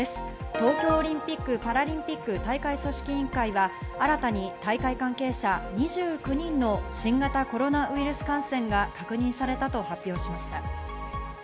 東京オリンピック・パラリンピック大会組織委員会は、新たに大会関係者２９人の新型コロナウイルス感染が確認されたと発表しました。